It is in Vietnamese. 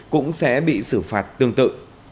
cũng sẽ bị xử phạt tương tự